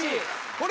これ。